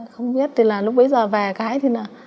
thế là lúc bây giờ về cái